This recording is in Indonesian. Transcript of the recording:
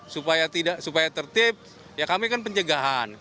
supaya tertib ya kami kan penjegahan